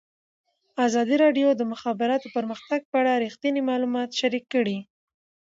ازادي راډیو د د مخابراتو پرمختګ په اړه رښتیني معلومات شریک کړي.